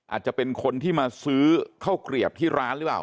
อาจจะเป็นคนที่มาซื้อข้าวเกลียบที่ร้านหรือเปล่า